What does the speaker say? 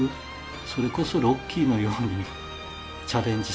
それこそロッキーのようにチャレンジ